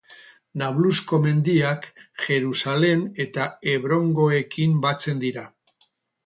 Nablusko mendiak Jerusalem eta Hebrongoekin batzen dira.